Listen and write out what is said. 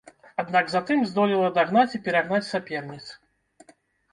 Аднак затым здолела дагнаць і перагнаць саперніц.